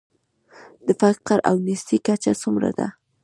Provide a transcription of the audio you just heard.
د فقر او نیستۍ کچه څومره ده؟